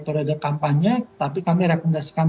periode kampanye tapi kami rekomendasikan